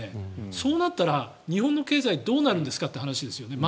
そうなったら日本の経済どうなるんですかって話ですよね。